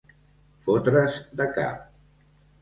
Fotre's de cap.